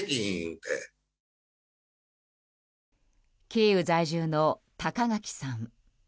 キーウ在住の高垣さん。